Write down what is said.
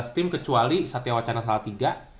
tim kecuali satya wacana salatiga